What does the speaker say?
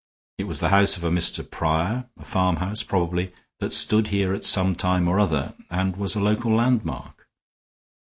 It was the house of a Mr. Prior, a farmhouse, probably, that stood here at some time or other and was a local landmark.